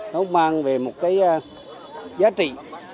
nó mang về một cái giá trị